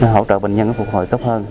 hỗ trợ bệnh nhân phục hồi tốt hơn